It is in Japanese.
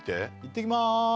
いってきます